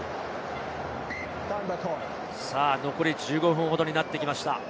残り１５分ほどになってきました。